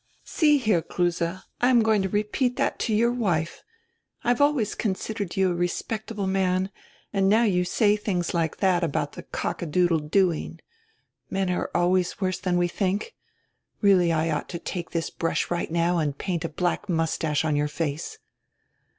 "See here, Kruse, I am going to repeat that to your wife. I have always considered you a respectable man and now you say tilings like that about the cock a doodle dooing. Men are always worse than we think. Really I ought to take this brush right now and paint a black moustache on your face."